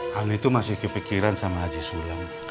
hal ini tuh masih kepikiran sama haji sulam